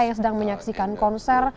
yang sedang menyaksikan konser